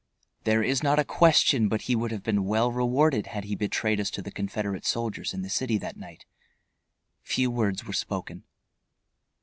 There is not a question but he would have been well rewarded had he betrayed us to the Confederate soldiers in the city that night. Few words were spoken.